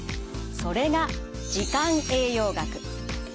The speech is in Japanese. それが時間栄養学。